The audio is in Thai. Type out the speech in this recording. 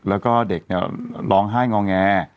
แล้วก็เด็กร้องไห้งอแง